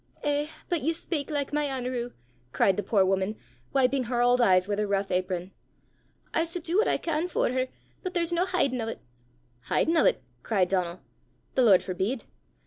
"Eh, but ye speyk like my Anerew!" cried the poor woman, wiping her old eyes with her rough apron. "I s' do what I can for her; but there's no hidin' o' 't!" "Hidin' o' 't!" cried Donal. "The Lord forbid!